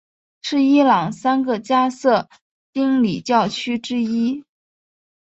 是伊朗三个加色丁礼教区之一。